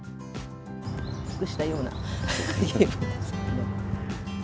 得したような気分です。